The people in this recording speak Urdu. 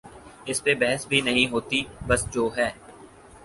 اس پہ بحث بھی نہیں ہوتی بس جو ہے۔